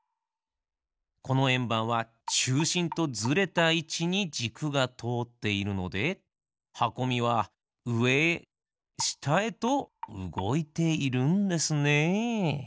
このえんばんはちゅうしんとずれたいちにじくがとおっているのではこみはうえへしたへとうごいているんですね。